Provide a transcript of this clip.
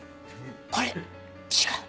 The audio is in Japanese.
これ違う？